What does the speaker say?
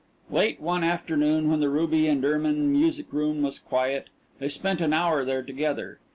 Late one afternoon when the ruby and ermine music room was quiet, they spent an hour there together.